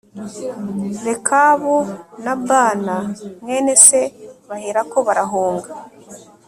Rekabu na Bāna mwene se baherako barahunga.